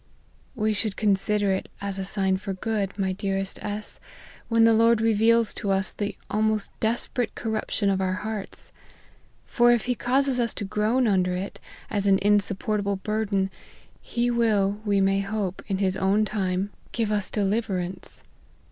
" We should consider it as a sign for good, my dearest S , when the Lord reveals to us the almost desperate corruption of our hearts. For, if he causes us to groan under it, as an insupportable burden, he will, we may hope, in his own time LIFE OF HENRY MARTYN. 41 give us deliverance.